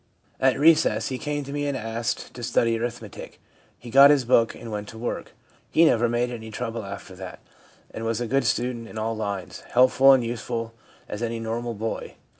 At recess he came to me and asked to study arithmetic. He got his book and went to work. He never made any trouble after that, and was a good student in all lines, helpful and useful as any normal boy.